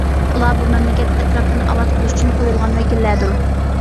ئۇلار بۇ مەملىكەت ئەتراپلىرىنى ئاۋات قىلىش ئۈچۈن قويۇلغان ۋەكىللەردۇر.